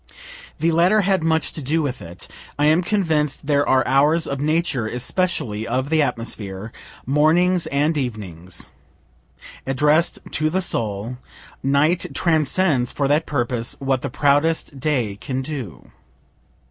The latter had much to do with it. (I am convinced there are hours of Nature, especially of the atmosphere, mornings and evenings, address'd to the soul. Night transcends, for that purpose, what the proudest day can do.)